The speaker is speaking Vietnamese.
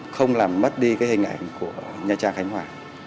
không làm mất đi cái hình ảnh của nha trang khánh hòa